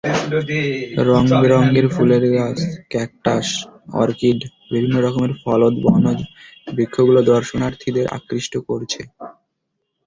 রংবেরঙের ফুলের গাছ, ক্যাকটাস, অর্কিড, বিভিন্ন রকমের ফলদ-বনজ বৃক্ষগুলো দর্শনার্থীদের আকৃষ্ট করছে।